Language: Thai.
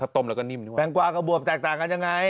แตงกวากับบวบแตกต่างกันยังไง